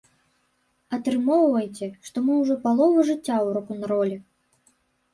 Атрымоўваецца, што мы ўжо палову жыцця ў рок-н-роле!